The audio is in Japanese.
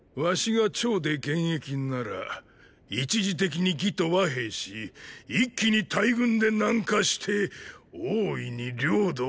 儂が趙で現役なら一時的に魏と和平し一気に大軍で南下して大いに領土を削り取るがのォ。